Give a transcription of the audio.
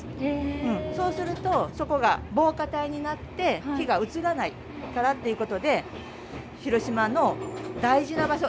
そうするとそこが防火帯になって火が移らないからっていうことで広島の大事な場所